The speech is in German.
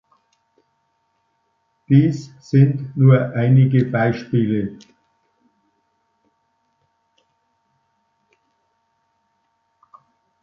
Dies sind nur einige Beispiele.